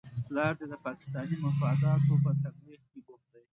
پلار دې د پاکستاني مفاداتو په تبلیغ کې بوخت دی؟